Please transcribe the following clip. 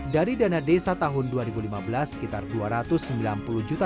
dari dana desa tahun dua ribu lima belas sekitar rp dua ratus sembilan puluh juta